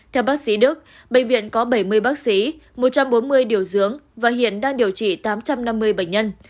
theo bác sĩ đức bệnh viện có bảy mươi bác sĩ một trăm bốn mươi điều dưỡng và hiện đang điều trị tám trăm năm mươi bệnh nhân